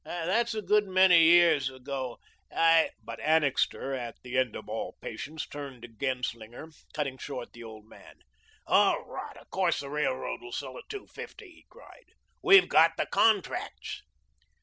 That's a good many years ago. I " But Annixter, at the end of all patience, turned to Genslinger, cutting short the old man: "Oh, rot! Of course the railroad will sell at two fifty," he cried. "We've got the contracts."